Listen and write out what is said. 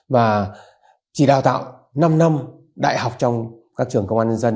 và chỉ đào tạo năm năm đại học trong các trường công an nhân dân